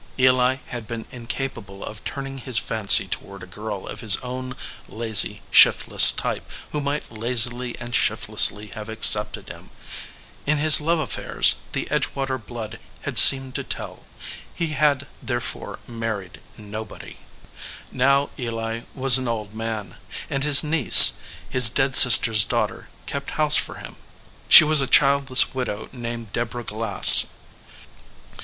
Eli had been incapable of turning his fancy toward a girl of his own lazy, shiftless type who might lazily and shiftlessly have accepted him. In his love affairs the Edgewater blood had seemed to tell. He had therefore married nobody. Now Eli was an old man, and his niece, his dead sister s daughter, kept house for him. She was a childless widow, named Deborah Glass.